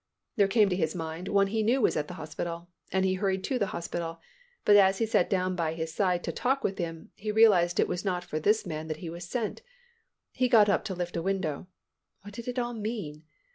There came to his mind one whom he knew was at the hospital, and he hurried to the hospital, but as he sat down by his side to talk with him, he realized it was not for this man that he was sent. He got up to lift a window. What did it all mean?